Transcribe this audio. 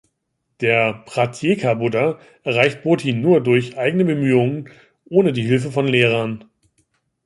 Der "Pratyeka-Buddha" erreicht Bodhi nur durch eigene Bemühungen, ohne die Hilfe von Lehrern.